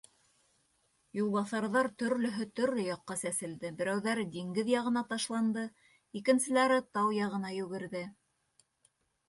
Юлбаҫарҙар төрлөһө төрлө яҡҡа сәселде, берәүҙәре диңгеҙ яғына ташланды, икенселәре тау яғына йүгерҙе.